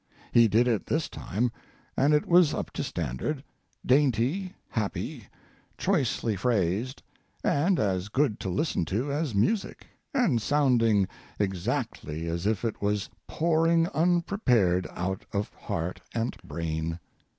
He did it this time, and it was up to standard: dainty, happy, choicely phrased, and as good to listen to as music, and sounding exactly as if it was pouring unprepared out of heart and brain.